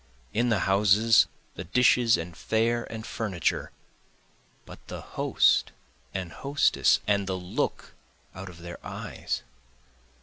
In the houses the dishes and fare and furniture but the host and hostess, and the look out of their eyes?